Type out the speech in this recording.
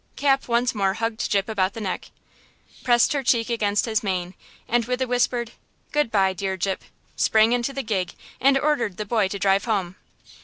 Cap once more hugged Gyp about the neck, pressed her cheek against his mane, and with a whispered "Good by, dear Gyp," sprang into the gig and ordered the boy to drive home.